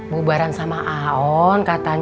bubaran sama aon kata dia